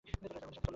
আমাদের সাথে চলো।